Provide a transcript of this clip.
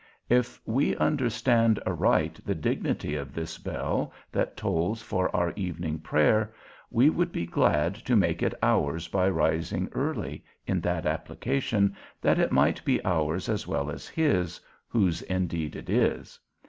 If we understand aright the dignity of this bell that tolls for our evening prayer, we would be glad to make it ours by rising early, in that application, that it might be ours as well as his, whose indeed it is.